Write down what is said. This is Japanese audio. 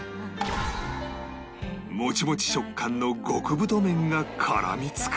モチモチ食感の極太麺が絡みつく！